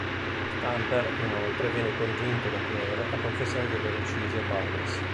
Stamper inoltre viene convinto da Claire a confessare di aver ucciso Barnes.